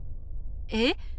え？